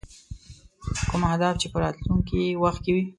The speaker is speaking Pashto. کوم اهداف چې په راتلونکي وخت کې.